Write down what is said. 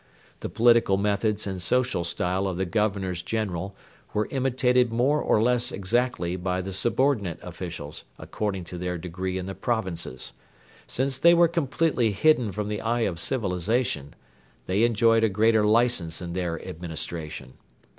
The political methods and social style of the Governors General were imitated more or less exactly by the subordinate officials according to their degree in the provinces. Since they were completely hidden from the eye of civilisation, they enjoyed a greater licence in their administration.